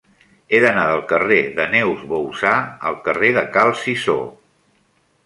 He d'anar del carrer de Neus Bouzá al carrer de Cal Cisó.